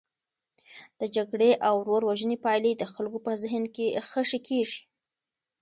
د جګړې او ورور وژنې پایلې د خلکو په ذهن کې خښي کیږي.